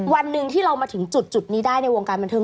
วันหนึ่งที่เรามาถึงจุดนี้ได้ในวงการบันเทิ